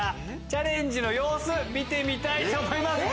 チャレンジの様子見たいと思います